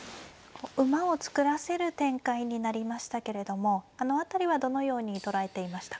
馬を作らせる展開になりましたけれどもあの辺りはどのように捉えていましたか。